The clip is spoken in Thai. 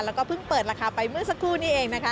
แล้วก็เพิ่งเปิดราคาไปเมื่อสักครู่นี้เองนะคะ